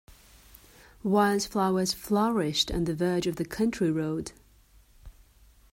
Wildflowers flourished on the verge of the country road